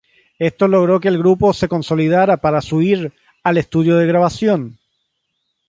Esto logró que el grupo se consolidara para su ir al estudio de grabación.